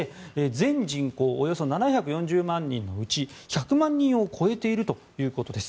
全人口およそ７４０万人のうち１００万人を超えているということです。